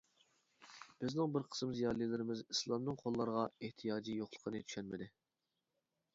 بىزنىڭ بىر قىسىم زىيالىيلىرىمىز ئىسلامنىڭ قۇللارغا ئېھتىياجى يوقلۇقىنى چۈشەنمىدى.